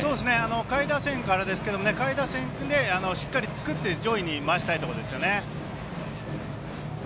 下位打線からですけど下位打線でしっかり作って上位に回したいところですよね。